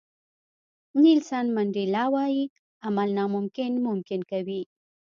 نیلسن منډیلا وایي عمل ناممکن ممکن کوي.